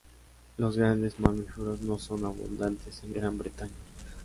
Los grandes mamíferos no son abundantes en Gran Bretaña.